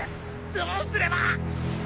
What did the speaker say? どうすれば